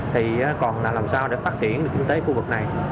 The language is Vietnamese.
thì còn là làm sao để phát triển được kinh tế khu vực này